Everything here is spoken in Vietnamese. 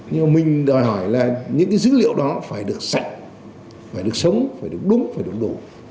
nhưng mà mình đòi hỏi là những cái dữ liệu đó phải được sạch phải được sống phải được đúng phải được đủ